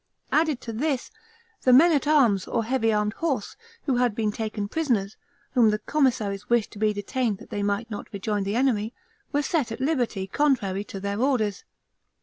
Added to this, the men at arms, or heavy armed horse, who had been taken prisoners, whom the commissaries wished to be detained that they might not rejoin the enemy, were set at liberty, contrary to their orders.